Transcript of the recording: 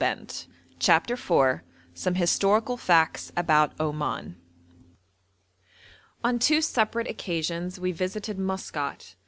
MASKAT CHAPTER IV SOME HISTORICAL FACTS ABOUT OMAN On two separate occasions we visited Maskat.